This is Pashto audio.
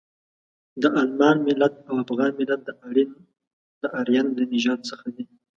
د المان ملت او افغان ملت د ارین له نژاده څخه دي.